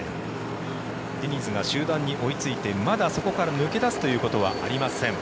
ディニズが集団に追いついてまだそこから抜け出すということはありません。